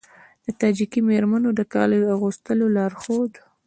د تاجیکي میرمنو د کالیو اغوستلو لارښود